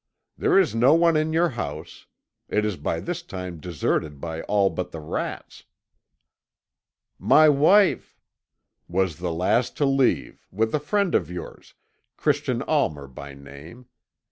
There is no one in your house. It is by this time deserted by all but the rats." "My wife " "Was the last to leave, with a friend of yours, Christian Almer by name.